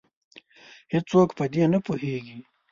هیڅوک په دې نه پوهیږې